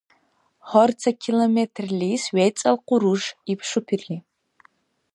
— Гьар ца километрлис — вецӀал къуруш, — иб шупирли.